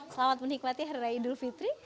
selamat menikmati hari raya idul fitri